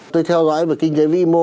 tôi theo dõi về kinh tế vĩ mô